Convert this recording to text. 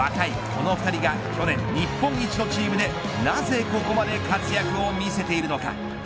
この２人が去年日本一のチームでなぜここまで活躍を見せているのか。